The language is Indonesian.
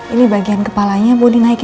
ini bagian kepalanya mau dinaikin lagi gak